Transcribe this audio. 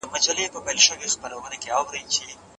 که معتادین درملنه سي، نو په کوڅو کي ناامني نه رامنځته کیږي.